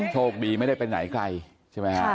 โชคดีไม่ได้ไปไหนไกลใช่ไหมฮะ